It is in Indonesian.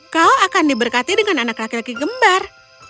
kau akan diberkati dengan anak laki laki kembar